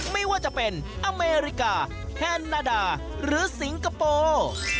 ไม่ว่าจะเป็นอเมริกาแฮนนาดาหรือสิงคโปร์